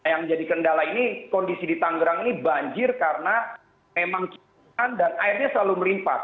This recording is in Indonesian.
yang jadi kendala ini kondisi di tangerang ini banjir karena memang kian dan airnya selalu melimpas